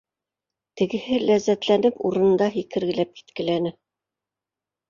Тегеһе ләззәтләнеп, урынында һикергеләп киткеләне: